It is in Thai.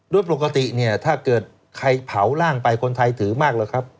โดยปกติเนี่ยถ้าเกิดใครเผาร่างไปคนไทยถือมากแล้วครับ